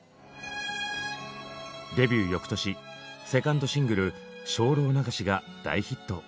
デビュー翌年セカンドシングル「精霊流し」が大ヒット。